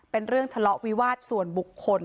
เป็นเรื่องทะเลาะวิวาสส่วนบุคคล